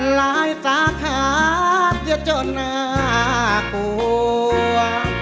หลายสาขาเจอจนน่ากลัว